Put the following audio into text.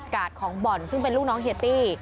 ของบ่อนซึ่งเป็นลูกน้องเฮียตี้